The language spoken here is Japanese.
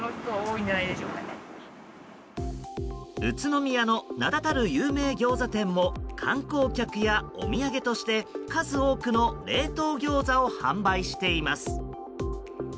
宇都宮の名だたる有名ギョーザ店も観光客や、お土産として数多くの冷凍ギョーザを販売しています。